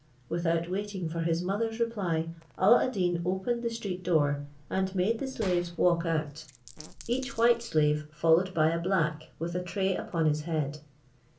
Without waiting for his mother's reply, Alla ad Deen opened the street door, and made the slaves walk out; each white slave followed by a black with a tray upon his head.